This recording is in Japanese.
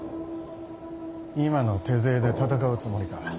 今の手勢で戦うつもりか。